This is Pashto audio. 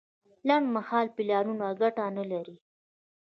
لنډمهاله پلانونه ګټه نه لري.